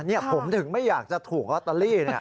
นี่ผมถึงไม่อยากจะถูกออตตอลลี่นี่